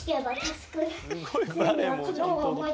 すごい。